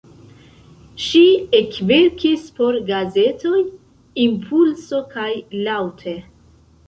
Ŝi ekverkis por gazetoj "Impulso" kaj "Laŭte".